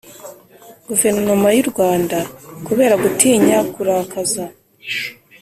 guverinoma y'u rwanda. kubera gutinya kurakaza